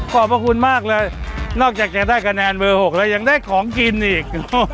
ขอบพระคุณมากเลยนอกจากจะได้คะแนนเบอร์๖แล้วยังได้ของกินอีก